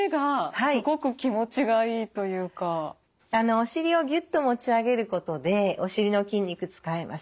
お尻をギュッと持ち上げることでお尻の筋肉使えます。